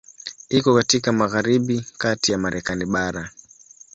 Iko katika magharibi kati ya Marekani bara.